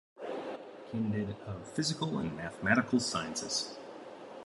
Candidate of Physical and Mathematical Sciences.